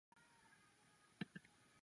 曾任上海豫园书画会会长。